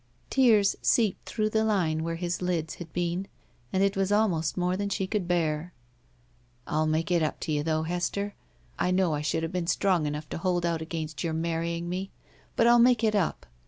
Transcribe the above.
Tears seeped through the line where his lids had 94 BACK PAY been, and it was almost more than she cotild bear. *'I'll make it up to you, though, Hester. I know I should have been strong enough to hold out against your marrying me, but I'll make it up.